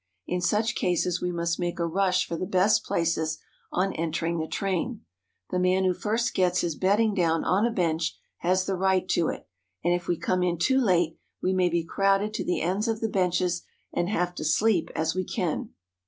In such cases we must make a rush for the best places on entering the train. The man who first gets his bedding down on a bench has the right to it, and if we come in too late, we may be crowded to the ends of the benches and have to sleep as we can.